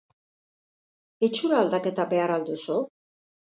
Itxura aldaketa behar al duzu?